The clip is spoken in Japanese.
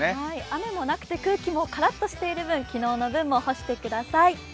雨もなくて空気もカラッとしている分昨日の分も干してください。